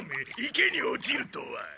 池に落ちるとは。